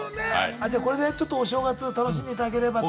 あじゃこれでちょっとお正月楽しんでいただければと。